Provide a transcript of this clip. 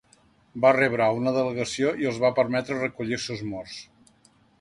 Va rebre a una delegació i els va permetre recollir els seus morts.